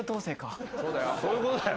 そういうことだよ。